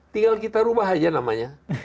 tinggal kita ubah aja namanya